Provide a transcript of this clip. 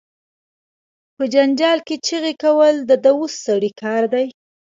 په جنجال کې چغې کول، د دووث سړی کار دي.